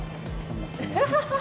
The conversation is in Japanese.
アハハハ。